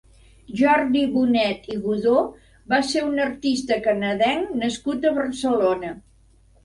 Jordi Bonet i Godó va ser un artista canadenc nascut a Barcelona.